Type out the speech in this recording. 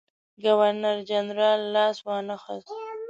ګورنرجنرال لاس وانه خیست.